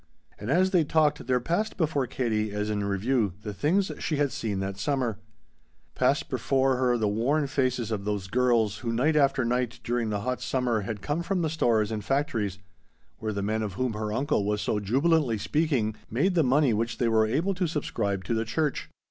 And as they talked, there passed before Katie, as in review, the things she had seen that summer passed before her the worn faces of those girls who night after night during the hot summer had come from the stores and factories where the men of whom her uncle was so jubilantly speaking made the money which they were able to subscribe to the church.